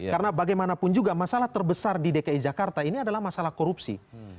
karena bagaimanapun juga masalah terbesar di dki jakarta ini adalah masalah korupsi